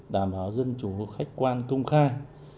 đảm bảo dân chủ khách quan công khai